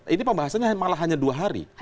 ini pembahasannya malah hanya dua hari